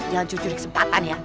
jangan curi curikan kesempatan ya